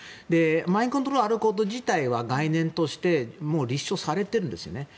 マインドコントロールがあること自体は概念として立証されているんですよね。